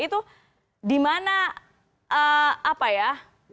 itu dimana apa ya